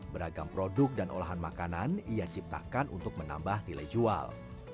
beragam produk dan olahan makanan ia ciptakan untuk menambah nilai jual